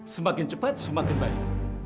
semakin cepat semakin baik